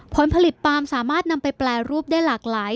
ผลผลิตปาล์มสามารถนำไปแปรรูปได้หลากหลาย